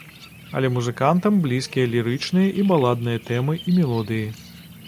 Але музыкантам блізкія лірычныя і баладныя тэмы і мелодыі.